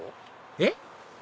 えっ？